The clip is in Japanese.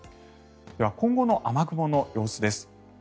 では、今後の雨雲の様子です。